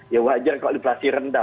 ya wajar kok inflasi rendah